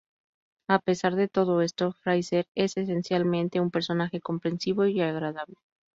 A pesar de todo esto, Fraiser es esencialmente un personaje comprensivo y agradable.